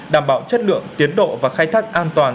đảm bảo chất lượng tiến độ và khai thác an toàn